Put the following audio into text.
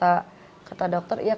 ahtar sang adik